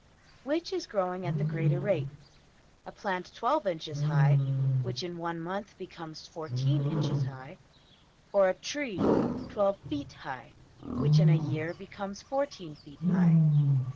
Which is growing at the greater rate; a plant $12$~inches high which in one month becomes $14$~inches high, or a tree $12$~feet high which in a year becomes $14$~feet high?